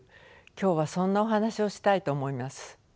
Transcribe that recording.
今日はそんなお話をしたいと思います。